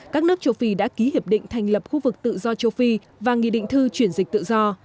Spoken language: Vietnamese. các nước châu phi đã ký hiệp định thành lập khu vực tự do châu phi và nghị định thư chuyển dịch tự do